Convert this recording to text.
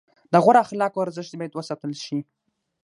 د غوره اخلاقو ارزښت باید وساتل شي.